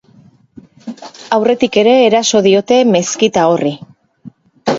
Aurretik ere eraso diote meskita horri.